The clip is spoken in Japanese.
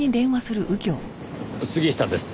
杉下です。